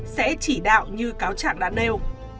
sẽ chỉ đạo như cáo trạng đã nêu